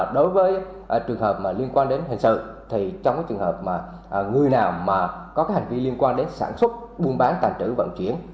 đối với trường hợp liên quan đến hành sự thì trong trường hợp mà người nào mà có hành vi liên quan đến sản xuất buôn bán tàn trữ vận chuyển